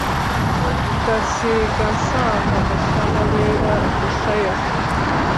Ndasiga nsanga musanabera Misaya